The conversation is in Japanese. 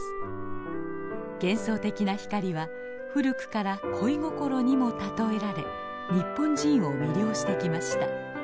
幻想的な光は古くから恋心にも例えられ日本人を魅了してきました。